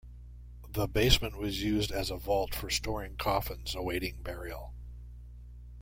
The basement was used as a vault for storing coffins awaiting burial.